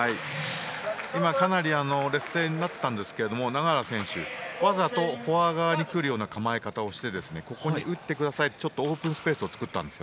今かなり劣勢になっていたんですが永原選手、わざとフォア側に来るような構え方をしてここに打ってくださいとちょっとオープンスペースを作ったんです。